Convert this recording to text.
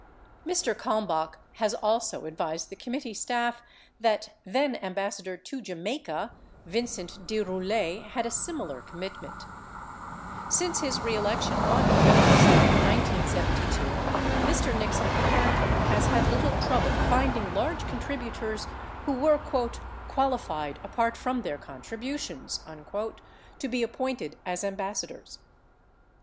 Mr. Kalmbach has also ad vised the committee staff that then Ambassador to Jamaica, Vincent de Roulet, had a similar commitment. Since his reelection on November 7, 1972, Mr. Nixon apparently has had little trouble finding large contributors who were "qualified apart from their contributions" to be appointed as Ambassadors.